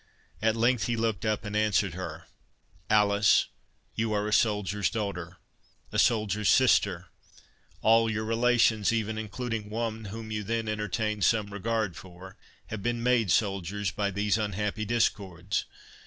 At length he looked up, and answered her—"Alice, you are a soldier's daughter—a soldier's sister. All your relations, even including one whom you then entertained some regard for, have been made soldiers by these unhappy discords.